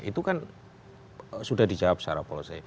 itu kan sudah dijawab secara policy